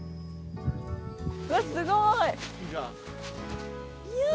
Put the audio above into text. うわっすごい！いや！